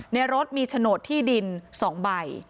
ในรถมีโฉนดที่ดิน๒ใบ